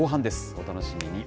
お楽しみに。